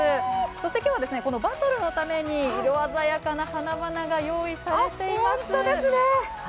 そして、今日はこのバトルのために色鮮やかな花々が用意されています。